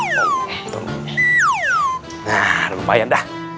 nah udah lumayan dah